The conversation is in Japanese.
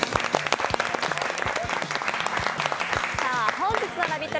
本日のラヴィット！